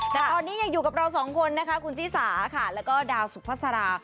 แต่ตอนนี้ยังอยู่กับเราสองคนนะคะคุณชิสาค่ะแล้วก็ดาวสุภาษารา